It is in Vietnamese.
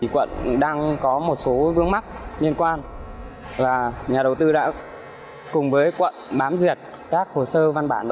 quận đang có một số vướng mắc liên quan và nhà đầu tư đã cùng với quận bám duyệt các hồ sơ văn bản